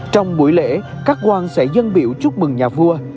trong buổi lễ các quan sẽ dân biểu chúc mừng nhà vua